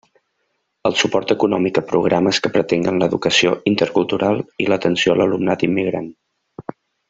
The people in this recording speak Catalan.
El suport econòmic a programes que pretenguen l'educació intercultural i l'atenció a l'alumnat immigrant.